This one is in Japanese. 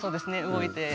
動いて。